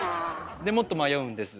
でもっと迷うんです。